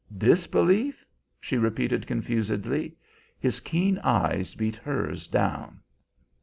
"Disbelief?" she repeated confusedly. His keen eyes beat hers down.